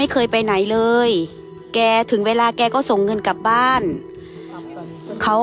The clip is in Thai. เขาอย่างอื่น